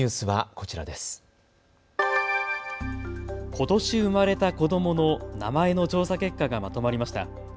ことし生まれた子どもの名前の調査結果がまとまりました。